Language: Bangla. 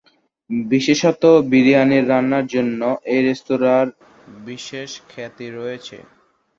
বিশেষত, বিরিয়ানি রান্নার জন্য এই রেস্তোরাঁর বিশেষ খ্যাতি রয়েছে।